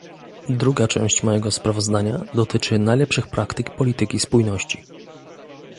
Druga cześć mojego sprawozdania dotyczy najlepszych praktyk polityki spójności